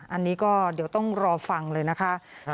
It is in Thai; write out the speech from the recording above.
อันนี้ก็เดี๋ยวต้องรอฟังเลยนะคะ